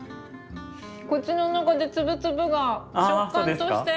口の中で粒々が食感として。